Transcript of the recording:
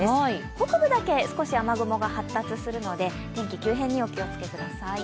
北部だけ、少し雨雲が発達するので天気急変にご注意ください。